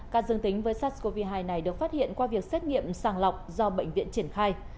ca dương tính với sars cov hai này được phát hiện qua việc xét nghiệm sàng lọc do bệnh viện triển khai